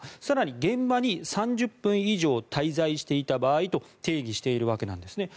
更に現場に３０分以上滞在していた場合と定義しているわけです。